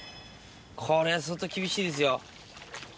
これは相当厳しいですよ。